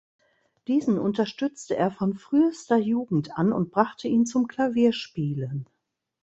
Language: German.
Diesen unterstützte er von frühester Jugend an und brachte ihn zum Klavierspielen.